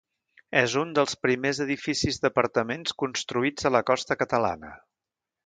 És un dels primers edificis d'apartaments construïts a la costa catalana.